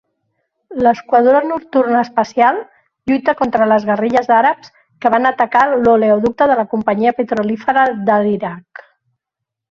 L'Esquadró Nocturn Especial lluita contra les guerrilles àrabs que van atacar l'oleoducte de la Companyia Petrolífera de l'Iraq.